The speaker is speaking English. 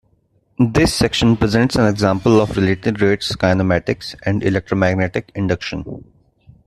This section presents an example of related rates kinematics and electromagnetic induction.